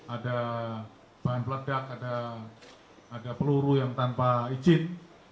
ada bahan peledak ada peluru yang tanpa izin